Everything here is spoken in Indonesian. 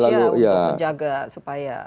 untuk menjaga supaya